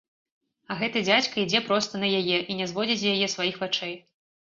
А гэты дзядзька ідзе проста на яе і не зводзіць з яе сваіх вачэй.